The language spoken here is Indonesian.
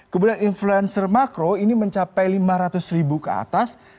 kemudian influencer makro ini mencapai lima ratus ribu ke atas